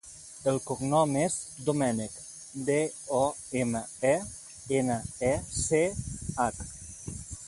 El cognom és Domenech: de, o, ema, e, ena, e, ce, hac.